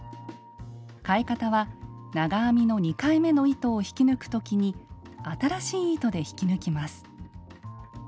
かえ方は長編みの２回目の糸を引き抜く時に新しい糸で引き抜きます。